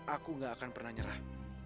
aku gak akan pernah nyerah